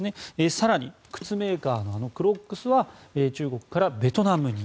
更に、靴メーカーのクロックスは中国からベトナムに。